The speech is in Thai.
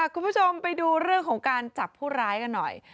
คุณผู้ชมไปดูเรื่องของการจับผู้ร้ายกันหน่อย